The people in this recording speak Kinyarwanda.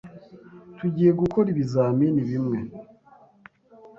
Tugiye gukora ibizamini bimwe.